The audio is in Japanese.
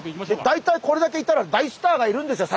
大体これだけいたら大スターがいるんですよ